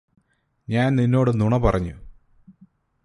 ഞാന് നിന്നോട് നുണ പറഞ്ഞു